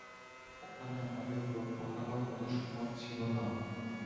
ওখানে আমাদের লোক পাঠানোর মতো সময় ছিল না।